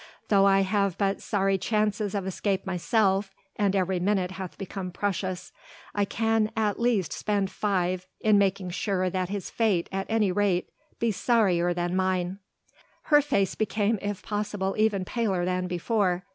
Though I have but sorry chances of escape myself and every minute hath become precious, I can at least spend five in making sure that his fate at any rate be sorrier than mine." Her face became if possible even paler than before.